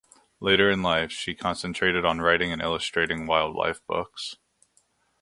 Later in life she concentrated on writing and illustrating wildlife books.